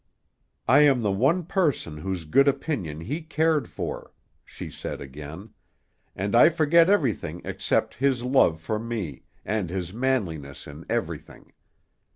"I am the one person whose good opinion he cared for," she said again; "and I forget everything except his love for me, and his manliness in everything.